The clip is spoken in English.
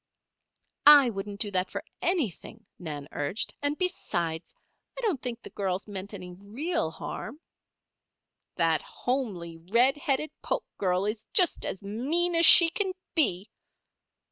"I wouldn't do that for anything," Nan urged. "And, besides, I don't think the girls meant any real harm." "That homely, red headed Polk girl is just as mean as she can be!"